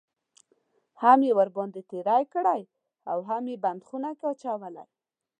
هم یې ورباندې تېری کړی اوهم یې بند خونه کې اچولی.